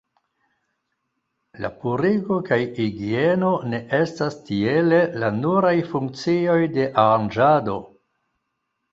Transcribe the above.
La purigo kaj higieno ne estas tiele la nuraj funkcioj de Aranĝado.